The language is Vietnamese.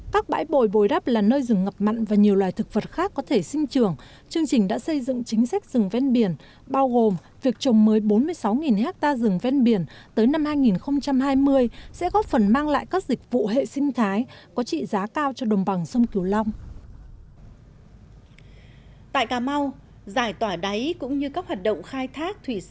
các bãi bồi bồi đắp là nơi rừng ngập mặn và nhiều loài thực vật khác có thể sinh trường chương trình đã xây dựng chính sách rừng ven biển bao gồm việc trồng mới bốn mươi sáu ha